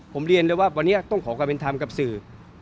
ผมเรียนเลยว่าวันนี้ต้องขอความเป็นธรรมกับสื่อ